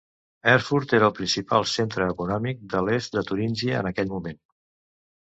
Erfurt era el principal centre econòmic de l'est de Turíngia en aquell moment.